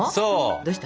どうした？